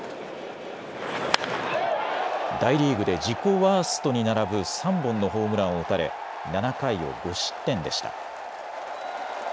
大リーグで自己ワーストに並ぶ３本のホームランを打たれ７回を５失点でした。